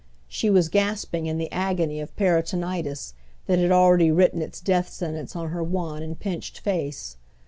She was gasping in the agony of peritonitis that had already written its death sentence on her wan and pinched face.